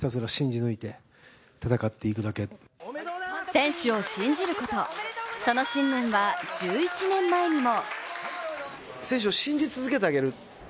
選手を信じること、その信念は１１年前にも。